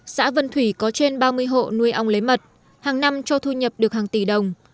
xã vân thủy có trên ba mươi hộ nuôi ong lấy mật hàng năm cho thu nhập được hàng tỷ đồng